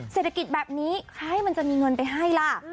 เศรษฐกิจแบบนี้ใครมันจะมีเงินไปให้ล่ะ